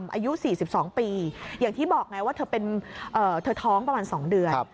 อายุ๔๒ปีอย่างที่บอกไงว่าเธอเป็นเธอท้องประมาณ๒เดือน